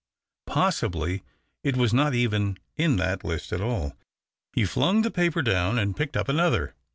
Possibly it was not even in that list at all. He Hung the paper down and picked up another.